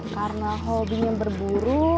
karena hobinya berburu